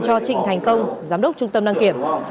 cho trịnh thành công giám đốc trung tâm đăng kiểm